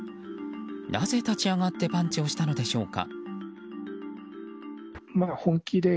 なぜ立ち上がってパンチをしたのでしょうか。